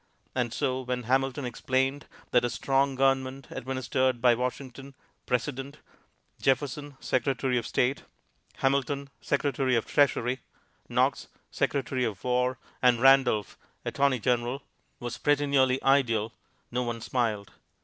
And so when Hamilton explained that a strong government administered by Washington, President; Jefferson, Secretary of State; Hamilton, Secretary of the Treasury; Knox, Secretary of War; and Randolph, Attorney General, was pretty nearly ideal, no one smiled.